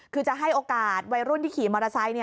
คือจะให้โอกาสวัยรุ่นที่ขี่มอเตอร์ไซค์